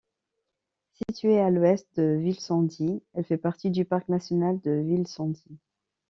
Située à l'ouest de Vilsandi, elle fait partie du parc national de Vilsandi.